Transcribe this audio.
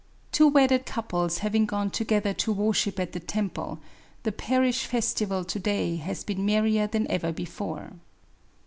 Two wedded couples having gone together to worship at the temple^ the parish festival to day has been merrier than ever before.